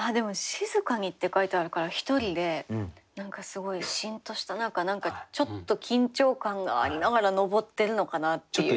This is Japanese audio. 「しづかに」って書いてあるから１人で何かすごいしんとしたちょっと緊張感がありながら昇ってるのかなっていう。